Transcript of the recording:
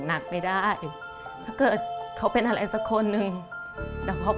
ตัดสินใจทำต่อครับ